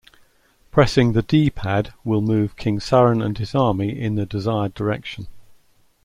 Pressing the D-Pad will move King Suren and his army in the desired direction.